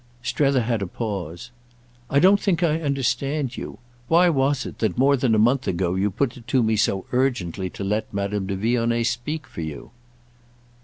Strether had a pause. "I don't think I understand you. Why was it that, more than a month ago, you put it to me so urgently to let Madame de Vionnet speak for you?"